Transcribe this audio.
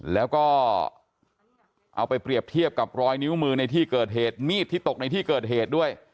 แล้วก็เอาไปเปรียบเทียบกับรอยนิ้วมือในที่เกิดเหตุมีดที่ตกในที่เกิดเหตุด้วย